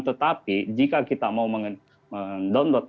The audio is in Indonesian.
akan tetapi jika kita menggunakan tawakalna kita akan menggunakan tawakalna